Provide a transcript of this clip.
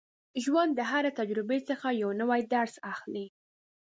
ژوند د هرې تجربې څخه یو نوی درس اخلي.